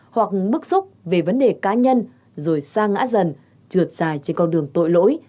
hoặc bức xúc về vấn đề cá nhân rồi xa ngã dần trượt dài trên con đường tội lỗi